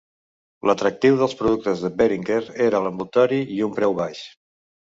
L'atractiu dels productes de Behringer era l'envoltori i un preu baix.